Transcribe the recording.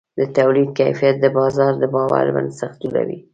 د تولید کیفیت د بازار د باور بنسټ جوړوي.